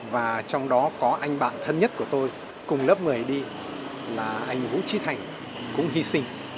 và trong đó có anh bản thân nhất của tôi cùng lớp một mươi đi là anh vũ trí thành cũng hy sinh